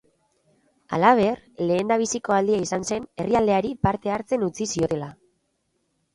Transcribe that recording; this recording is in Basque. Halaber, lehendabiziko aldia izan zen herrialdeari parte hartzen utzi ziotela.